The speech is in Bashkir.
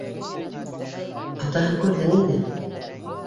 Атаһын күрҙең инде